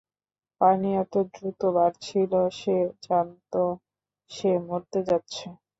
পানি এতো দ্রুত বাড়ছিল, সে জানতো সে মরতে যাচ্ছে।